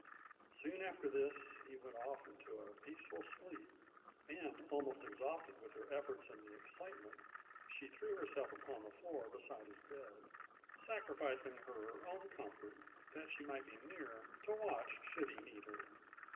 Soon after this he went off into a peaceful sleep, and, almost exhausted with her efforts and the excitement, she threw herself upon the floor beside his bed, sacrificing her own comfort that she might be near to watch should he need her.